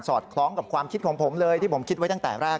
อดคล้องกับความคิดของผมเลยที่ผมคิดไว้ตั้งแต่แรก